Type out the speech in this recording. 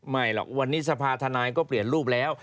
ไม่หรอกวันนี้สภาธนายก็เปลี่ยนรูปแล้ว